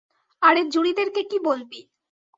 আরে জুরিদেরকে কী বলবি?